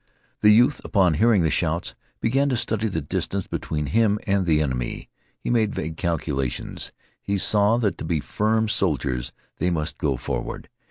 The youth, upon hearing the shouts, began to study the distance between him and the enemy. He made vague calculations. He saw that to be firm soldiers they must go forward.